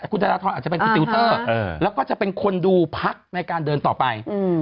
คุณธนทรอาจจะเป็นคุณติวเตอร์แล้วก็จะเป็นคนดูพักในการเดินต่อไป